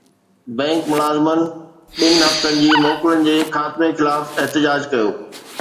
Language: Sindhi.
بينڪ ملازمن ٻن هفتن جي موڪلن جي خاتمي خلاف احتجاج ڪيو